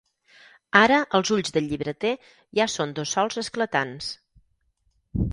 Ara els ulls del llibreter ja són dos sols esclatants.